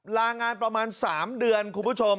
ลางานประมาณ๓เดือนคุณผู้ชม